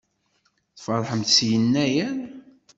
Tfeṛḥemt s Yennayer?